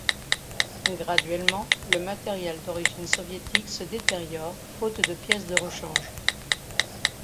Graduellement, le matériel d'origine soviétique se détériore faute de pièces de rechange.